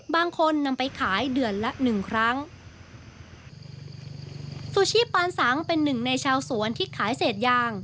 บางคนนำไปขายเดือนละหนึ่งครั้งซูชิปานสังเป็นหนึ่งในชาวสวนที่ขายเศษยาง